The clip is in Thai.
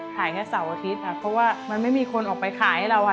ขายแค่เสาร์อาทิตย์ค่ะเพราะว่ามันไม่มีคนออกไปขายให้เราอ่ะ